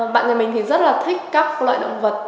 bạn nhà mình thì rất là thích các loại động vật